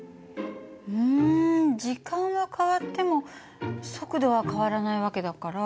うん時間は変わっても速度は変わらない訳だから。